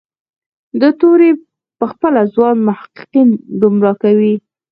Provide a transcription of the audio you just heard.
دا توری پخپله ځوان محققین ګمراه کوي.